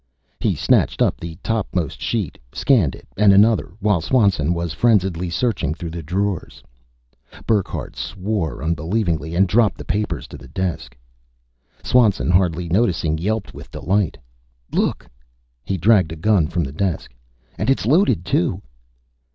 He snatched up the topmost sheet, scanned it, and another, while Swanson was frenziedly searching through the drawers. Burckhardt swore unbelievingly and dropped the papers to the desk. Swanson, hardly noticing, yelped with delight: "Look!" He dragged a gun from the desk. "And it's loaded, too!"